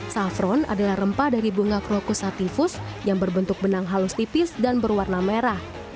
safron adalah rempah dari bunga krokusatifus yang berbentuk benang halus tipis dan berwarna merah